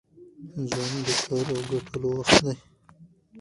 ځواني د کار او ګټلو وخت دی.